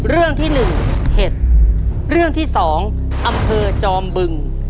เรื่องที่๑เห็ดเรื่องที่๒อำเภอจอมบึง